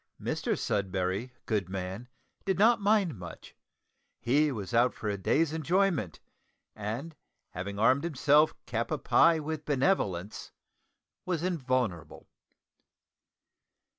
Mr Sudberry, good man, did not mind much; he was out for a day's enjoyment, and having armed himself cap a pie with benevolence, was invulnerable.